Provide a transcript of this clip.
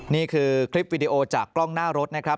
นี่คือคลิปวิดีโอจากกล้องหน้ารถนะครับ